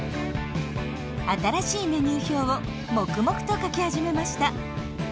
新しいメニュー表を黙々と書き始めました。